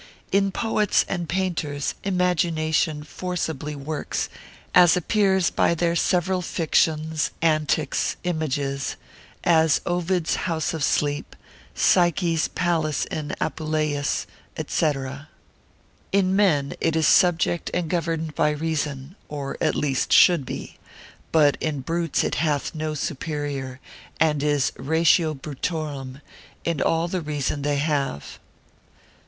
In poets and painters imagination forcibly works, as appears by their several fictions, antics, images: as Ovid's house of sleep, Psyche's palace in Apuleius, &c. In men it is subject and governed by reason, or at least should be; but in brutes it hath no superior, and is ratio brutorum, all the reason they have.